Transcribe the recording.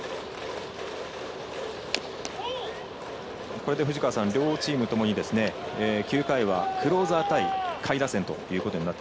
これで両チームともに９回はクローザー対下位打線ということになって。